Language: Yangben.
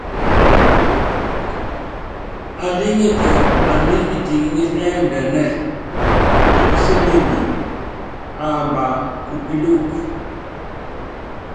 Alíŋitɛ aní itiŋí ɛ́ndɛnɛ́ɛ, epísémenyi, aamba kupíluku.